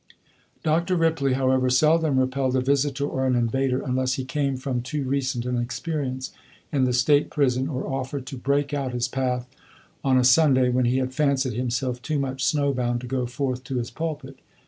Dr. Ripley, however, seldom repelled a visitor or an invader, unless he came from too recent an experience in the state prison, or offered to "break out" his path on a Sunday, when he had fancied himself too much snow bound to go forth to his pulpit.